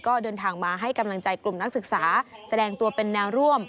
ก็เดินทางมาให้กำลังใจกลุ่มนักศึกษาแสดงตัวเป็นแนวร่วม